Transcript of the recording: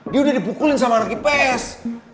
dia udah dipukulin sama anak ips